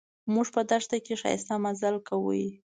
موږ په دښته کې ښایسته مزل کاوه.